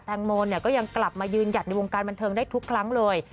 โมเนี่ยก็ยังกลับมายืนหยัดในวงการบันเทิงได้ทุกครั้งเลย